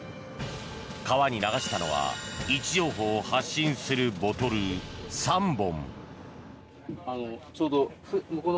川に流したのは位置情報を発信するボトル３本。